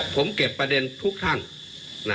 ผมเก็บประเด็นทุกท่าน